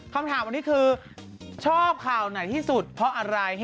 คำถามวันนี้คือชอบข่าวไหนที่สุดเพราะอะไร